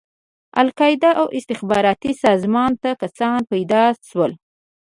القاعده او استخباراتي سازمان ته کسان پيدا شول.